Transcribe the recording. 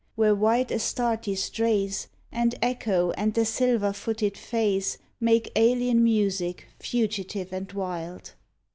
Where white Astarte strays And Echo and the silver footed fays Make alien music, fugitive and wild.